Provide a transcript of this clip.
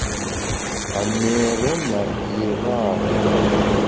A méére na iraade.